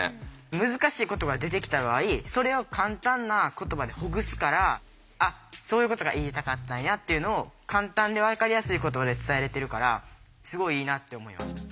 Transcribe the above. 難しい言葉出てきた場合それを簡単な言葉でほぐすから「あっそういうことが言いたかったんや」っていうのを簡単でわかりやすい言葉で伝えられてるからすごいいいなって思いました。